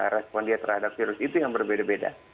respon dia terhadap virus itu yang berbeda beda